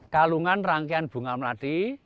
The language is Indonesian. kalungan rangkaian bunga melati